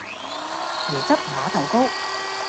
椰汁馬豆糕